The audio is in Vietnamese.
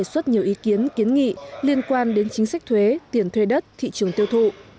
đề xuất nhiều ý kiến kiến nghị liên quan đến chính sách thuế tiền thuê đất thị trường tiêu thụ